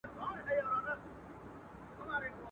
چي هر څه یم په دنیا کي ګرځېدلی.